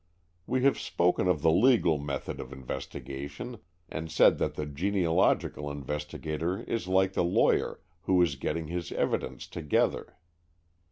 We have spoken of the legal method of investigation, and said that the genealogical investigator is like the lawyer who is getting his evidence together.